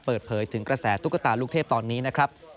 เปิดเผยถึงกระแสตุ๊กตาลูกเทพตอนนี้นะครับ